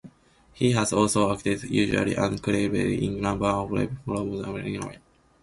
He has also acted, usually uncredited, in numerous films from other Italian horror directors.